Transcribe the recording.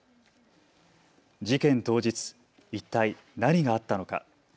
事件当日、一体何があったのか。